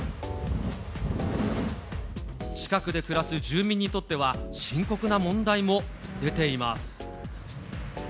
近くで暮らす住民にとっては、深刻な問題も出ています。